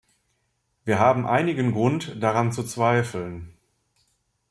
Wir haben einigen Grund, daran zu zweifeln.